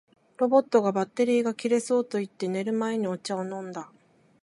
ロボットが「バッテリーが切れそう」と言って、寝る前にお茶を飲んだ